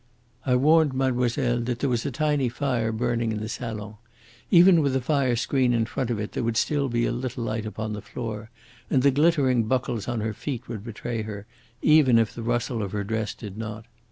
I warned mademoiselle that there was a tiny fire burning in the salon. Even with the fire screen in front of it there would still be a little light upon the floor, and the glittering buckles on her feet would betray her, even if the rustle of her dress did not.